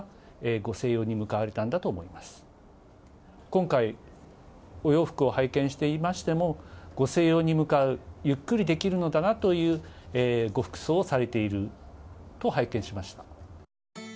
今回、お洋服を拝見していましてもご静養に向かうゆっくりできるのだなというご服装をされていると拝見しました。